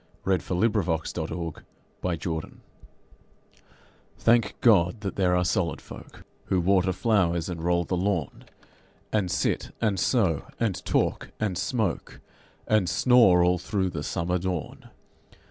XXIV. In Praise of Solid People Thank God that there are solid folk Who water flowers and roll the lawn, And sit an sew and talk and smoke, And snore all through the summer dawn.